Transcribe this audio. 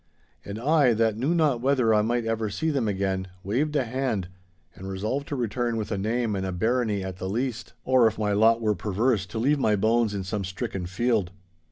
And I, that knew not whether I might ever see them again, waved a hand, and resolved to return with a name and a barony at the least; or, if my lot were perverse, to leave my bones in some stricken field.